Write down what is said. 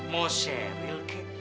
moh zeril kek